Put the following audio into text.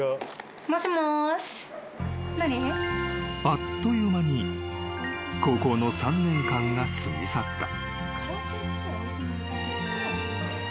［あっという間に高校の３年間が過ぎ去った］